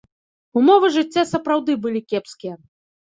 Умовы жыцця сапраўды былі кепскія.